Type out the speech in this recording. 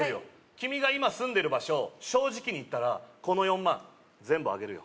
君が今住んでる場所正直に言ったらこの４万全部あげるよ